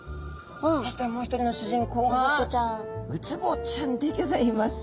そしてもう一人の主人公がウツボちゃんでギョざいます！